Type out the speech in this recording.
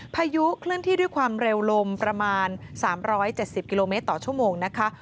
พายุเคลื่อนที่ด้วยความเร็วลมประมาณ๓๗๐กิโลเมตรต่อชั่วโมงนะคะ